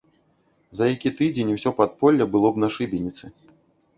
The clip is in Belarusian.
За які тыдзень усё падполле было б на шыбеніцы.